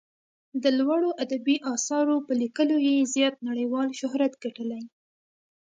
د لوړو ادبي اثارو په لیکلو یې زیات نړیوال شهرت ګټلی.